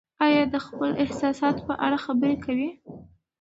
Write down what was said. ایا ته د خپلو احساساتو په اړه خبرې کوې؟